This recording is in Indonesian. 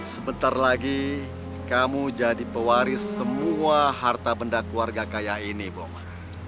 sebentar lagi kamu jadi pewaris semua harta benda keluarga kaya ini bomah